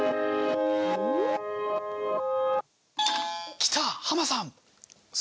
きたハマさん。